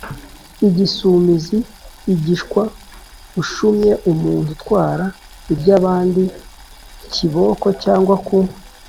igisumizi: igishwaashumyi, umuntu utwara iby’abandi kibȏko cyangwa ku